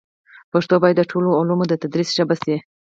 پښتو باید د ټولو علومو د تدریس ژبه شي.